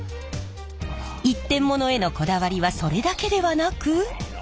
一点物へのこだわりはそれだけではなく。